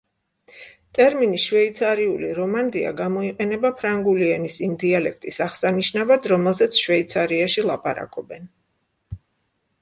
ტერმინი „შვეიცარიული რომანდია“ გამოიყენება ფრანგული ენის იმ დიალექტის აღსანიშნავად, რომელზეც შვეიცარიაში ლაპარაკობენ.